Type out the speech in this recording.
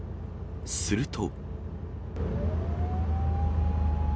すると。